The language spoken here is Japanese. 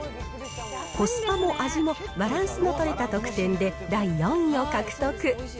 コスパも味もバランスの取れた得点で第４位を獲得。